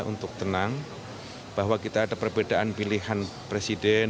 untuk tenang bahwa kita ada perbedaan pilihan presiden